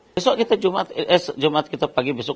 besok kita jumat eh jumat kita pagi besok